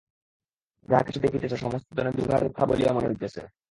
যাহা কিছু দেখিতেছে সমস্ত যেন বিভার মিথ্যা বলিয়া মনে হইতেছে।